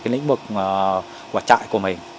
lĩnh vực quả trại của mình